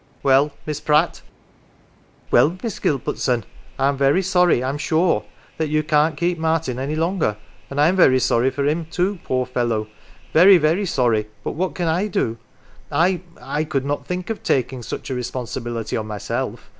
Well, Miss Pratt ?"" Well, Miss Gilbertson, I'm very sorry, I'm sure, that you can't keep Martin any longer, and I'm very sorry for him, too, poor fellow. Very, very sorry but what can I do ? I I could not think of taking such a responsibility on myself.